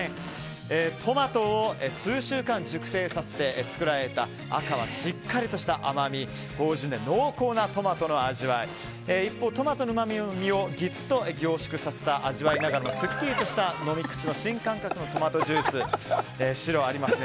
トマトを数週間熟成させて作られた赤はしっかりとした甘み芳醇で濃厚なトマトの味わい一方、トマトのうまみをぎゅっと凝縮させた味わいながらもすっきりとした飲み口の新感覚のトマトジュース白があります。